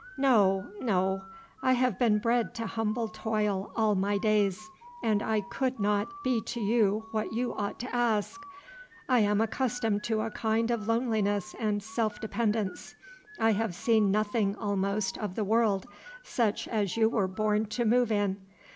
No, no, I have been bred to humble toil all my days, and I could not be to you what you ought to ask. I am accustomed to a kind of loneliness and self dependence. I have seen nothing, almost, of the world, such as you were born to move in.